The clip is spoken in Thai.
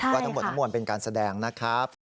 ทั้งหมดทั้งมวลเป็นการแสดงนะครับ